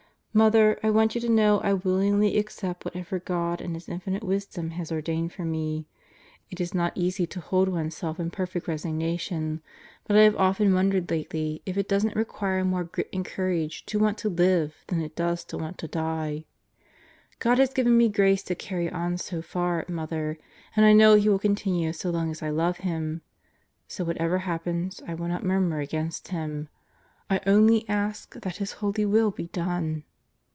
... Mother, I want you to know I willingly accept whatever God, in His Infinite Wisdom, has ordained for me. ... It is not easy to hold oneself in perfect resignation, but I have often wondered lately Into the Hands of God 189 if it doesn't require more grit and courage to want to live than it does to want to die. God has given me grace to carry on so far, Mother, and I know He will continue so long as I love Him. So whatever happens I will not murmur against Him. I only ask that His holy will be done!